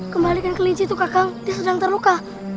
kembalikan kelinci itu kakak dia sedang terluka